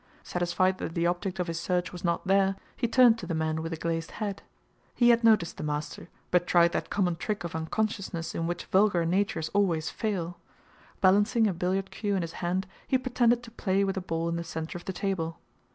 Satisfied that the object of his search was not there, he turned to the man with a glazed hat. He had noticed the master, but tried that common trick of unconsciousness in which vulgar natures always fail. Balancing a billiard cue in his hand, he pretended to play with a ball in the center of the table.